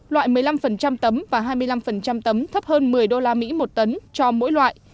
loại một mươi năm tấm và hai mươi năm tấm thấp hơn một mươi usd một tấn cho mỗi loại